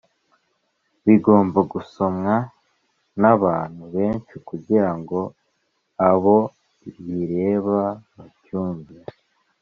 Bigomba gusomwa n’abantu benshi kugira ngo abo bireba babyumve